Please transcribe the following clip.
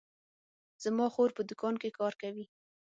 زما خور په دوکان کې کار کوي